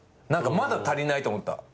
何かまだ足りないと思った。